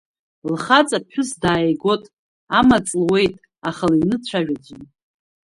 Лхаҵа ԥҳәыс дааигот, амаҵ луеит, аха лыҩны дцәажәаӡом.